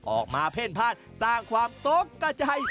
ออกมาเพ่นพาดสร้างความตกกระใจ